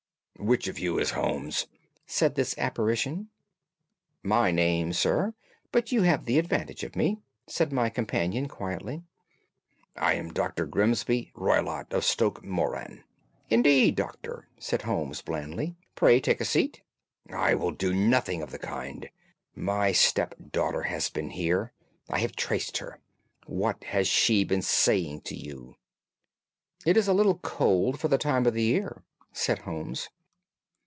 "Which of you is Holmes?" asked this apparition. "My name, sir; but you have the advantage of me," said my companion quietly. "I am Dr. Grimesby Roylott, of Stoke Moran." "Indeed, Doctor," said Holmes blandly. "Pray take a seat." "I will do nothing of the kind. My stepdaughter has been here. I have traced her. What has she been saying to you?" "It is a little cold for the time of the year," said Holmes.